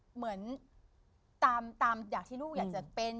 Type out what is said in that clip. เหมือนตามอย่างที่ลูกอยากจะเป็น